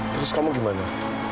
terus kamu gimana